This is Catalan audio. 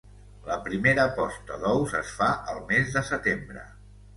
La primera posta d'ous es fa el mes de setembre.